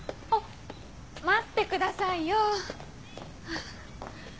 待ってくださいよ。